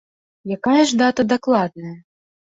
Якая ж дата дакладная?